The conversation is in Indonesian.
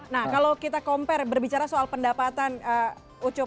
nah kalau kita compare berbicara soal pendapatan ucup